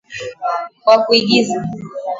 wa kuigiza